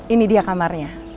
ini dia kamarnya